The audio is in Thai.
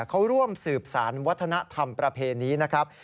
เขาร่วมสืบสารวัฒนธรรมประเพณีนะครับ